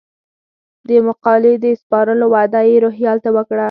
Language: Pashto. د مقالې د سپارلو وعده یې روهیال ته وکړه.